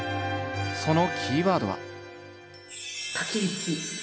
そのキーワードは。